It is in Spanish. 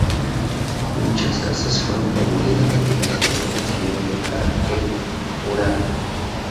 Muchas casas fueron demolidas y la ciudad consiguió un carácter rural.